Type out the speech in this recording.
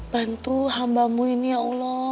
bantu hambamu ini ya allah